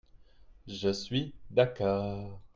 Je suis d’accord.